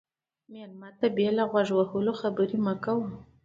مېلمه ته بې له غوږ وهلو خبرې مه کوه.